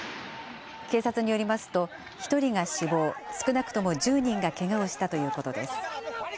警察によりますと１人が死亡、少なくとも１０人がけがをしたということです。